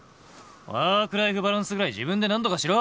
ワークライフバランスぐらい自分でなんとかしろ！